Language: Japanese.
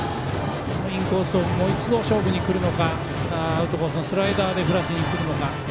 インコースをもう一度、勝負にくるのかアウトコースのスライダーで振らせにくるのか。